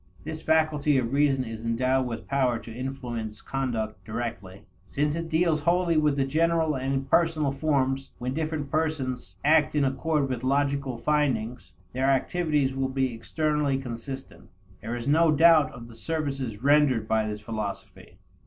This faculty of reason is endowed with power to influence conduct directly. Since it deals wholly with general and impersonal forms, when different persons act in accord with logical findings, their activities will be externally consistent. There is no doubt of the services rendered by this philosophy.